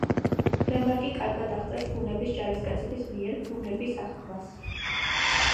რემარკი კარგად აღწერს ბუნების ჯარისკაცების მიერ ბუნების აღქმას.